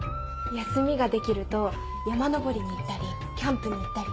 休みができると山登りに行ったりキャンプに行ったり。